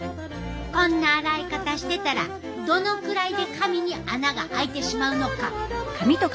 こんな洗い方してたらどのくらいで髪に穴があいてしまうのか。